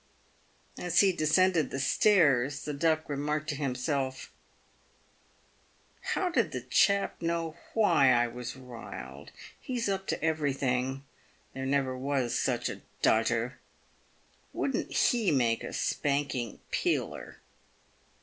As he descended the stairs, the Duck remarked to himself, " How did the chap know why I was riled ? He's up to everything. There never was such a dodger. Wouldn't he make a spanking Peeler